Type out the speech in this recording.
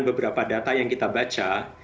beberapa data yang kita baca